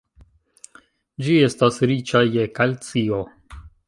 Ĝi estas riĉa je kalcio.